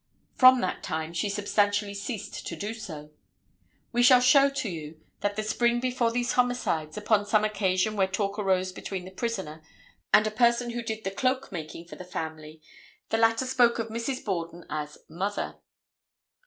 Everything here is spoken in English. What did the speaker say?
From that time she substantially ceased to do so. We shall show to you that the spring before these homicides, upon some occasion where a talk arose between the prisoner and a person who did the cloak making for the family, the latter spoke of Mrs. Borden as "mother."